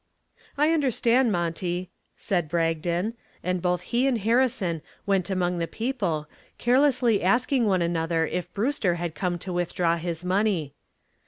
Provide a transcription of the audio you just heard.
"I understand, Monty," said Bragdon, and both he and Harrison went among the people carelessly asking one another if Brewster had come to withdraw his money.